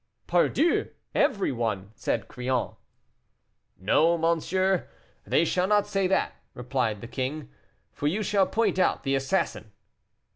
"Pardieu! everyone," said Crillon. "No, monsieur, they shall not say that," replied the king, "for you shall point out the assassin."